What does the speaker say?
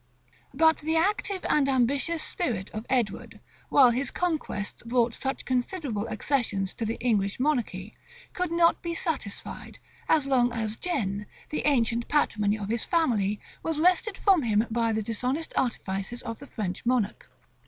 [*] But the active and ambitious spirit of Edward, while his conquests brought such considerable accessions to the English monarchy, could not be satisfied, so long as Guienne, the ancient patrimony of his family, was wrested from him by the dishonest artifices of the French monarch.